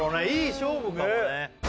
いい勝負かもね。